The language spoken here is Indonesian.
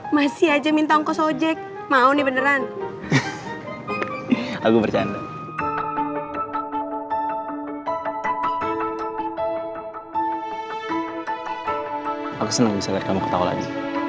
masih aja minta ongkos ojek mau nih beneran aku bercanda aku senang bisa lihat kamu ketawa lagi